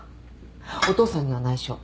お父さんには内緒。